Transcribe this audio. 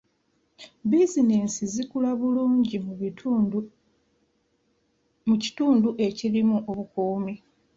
Bizinensi zikula bulungi mu kitundu ekirimu obukuumi.